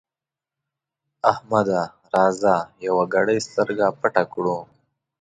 احمده! راځه يوه ګړۍ سترګه پټه کړو.